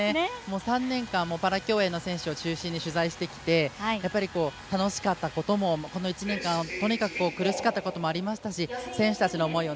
３年間、パラ競泳の選手を中心に取材してきてやっぱり、楽しかったこともこの１年間はとにかく苦しかったこともありましたし選手たちの思いを